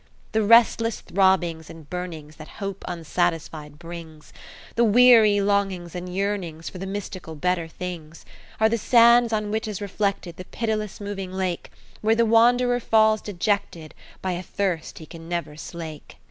"The restless throbbings and burnings That hope unsatisfied brings, The weary longings and yearnings For the mystical better things, Are the sands on which is reflected The pitiless moving lake, Where the wanderer falls dejected, By a thirst he never can slake."